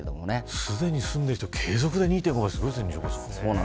すでに住んでいる人が継続で２．５倍はすごいですね。